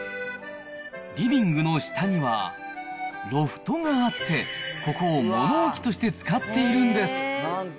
リビングの下には、ロフトがあって、ここを物置として使っているんです。